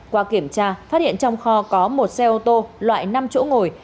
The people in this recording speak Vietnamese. qua kiểm tra phát hiện trong kho có một xe ô tô loại năm chỗ ngồi